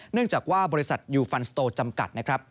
เนื่องจากว่าบริษัทยูฟันสโตจำกัดนะครับ